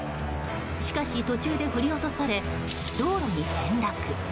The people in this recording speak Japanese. しかし、途中で振り落とされ道路に転落。